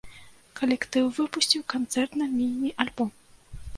Калектыў выпусціў канцэртны міні-альбом.